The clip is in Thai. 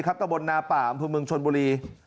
ครับตะบนนาป่ามคือเมืองชนบุรี